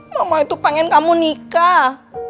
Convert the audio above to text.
mama itu pengen kamu nikah